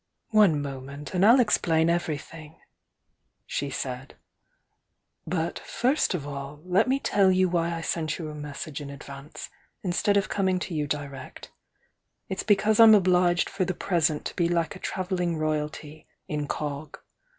"One moment, and I'll explain everything," she said. "But, first of all, let me tell you why I sent you a message in advance, instead of coming to you direct. It's because I'm obliged for the present to be like a travelling royalty, incog.